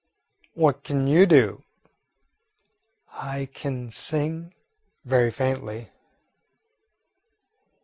"What can you do?" "I can sing," very faintly.